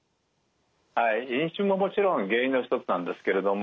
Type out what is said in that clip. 飲酒ももちろん原因の一つなんですけれども。